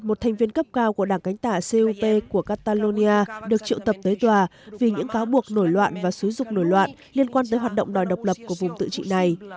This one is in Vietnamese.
một thành viên cấp cao của đảng cánh tả cop của catalonia được triệu tập tới tòa vì những cáo buộc nổi loạn và xúi dục nổi loạn liên quan tới hoạt động đòi độc lập của vùng tự trị này